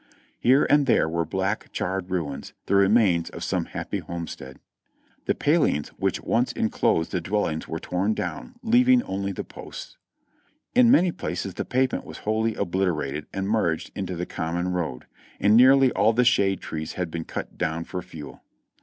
Here and there were black, charred ruins, the re mains of some happy homestead. The palings which once en closed the dwellings were torn down, leaving only the posts. In many places the pavement was wholly obliterated and merged into the common road ; and nearly all the shade trees had been cut down for fuel.